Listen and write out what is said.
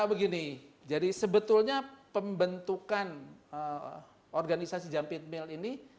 begini jadi sebetulnya pembentukan organisasi jump it mill ini